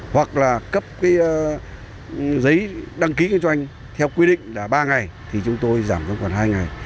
hoặc là cấp giấy đăng ký cho anh theo quy định là ba ngày thì chúng tôi giảm cho còn hai ngày